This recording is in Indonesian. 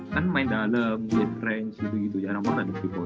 kan main dalam nge range gitu gitu jarang banget ada tiga point kan